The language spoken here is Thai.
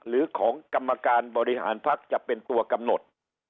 หรือของกรรมการบริหารภักดิ์จะเป็นตัวกำหนด